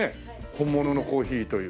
本物のコーヒーという。